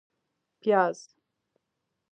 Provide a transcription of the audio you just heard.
🧅 پیاز